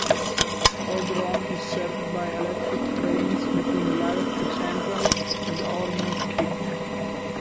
Old Roan is served by electric trains between Liverpool Central and Ormskirk.